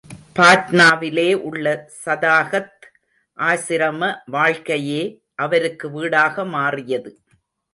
பாட்னாவிலே உள்ள சதாகத் ஆசிரம வாழ்க்கையே அவருக்கு வீடாக மாறியது.